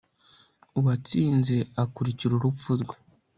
Uwatsinze akurikira urupfu rwe